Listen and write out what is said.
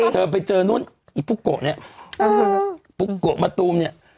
ไปเจอนู่นไอ้ปุ๊กโกะเนี่ยปุ๊กโกะมะตูมเนี่ย